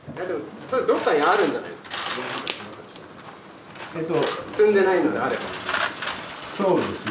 どこかにあるんじゃないです